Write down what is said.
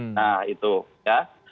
nah itu ya